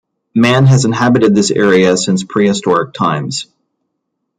Man has inhabited this area since prehistoric times.